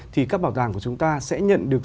thì các bảo tàng của chúng ta sẽ nhận được